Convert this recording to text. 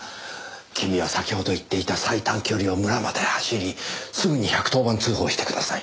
君は先ほど言っていた最短距離を村まで走りすぐに１１０番通報してください。